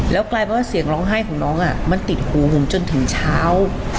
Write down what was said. แล้วกลายเป็นว่าเสียงร้องไห้ของน้องมันติดหูผมจนถึงเช้า